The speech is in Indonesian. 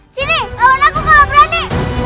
sini lawan aku kalau gak berani